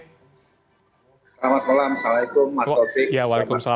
selamat malam assalamualaikum mas taufik